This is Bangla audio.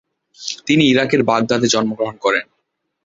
তিনি ইরাকের বাগদাদে জন্মগ্রহণ করেন।